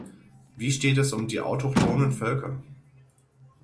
Wie steht es um die autochtonen Völker?